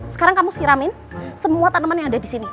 sekarang kamu siramin semua tanaman yang ada disini